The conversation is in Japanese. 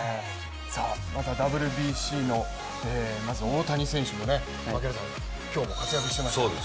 またＷＢＣの大谷選手もね今日も活躍してましたね。